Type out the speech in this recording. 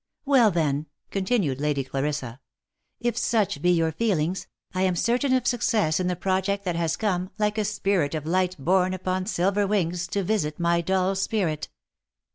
" Well then," continued Lady Clarissa, " if such be your feelings, I am certain of success in the project that has come, like a spirit of light borne upon silver wings to visit my dull spirit.